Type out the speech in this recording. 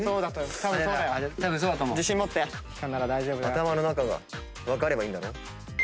頭の中分かればいいんだろ？